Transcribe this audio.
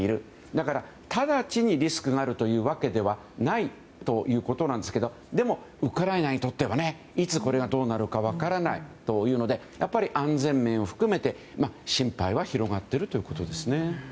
だから、直ちにリスクがあるわけではないということなんですがでも、ウクライナにとってはいつこれがどうなるか分からないというのでやっぱり安全面も含めて心配は広がっていますね。